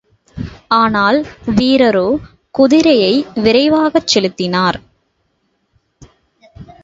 ஆனால் வீரரோ, குதிரையை விரைவாகச் செலுத்தினார்.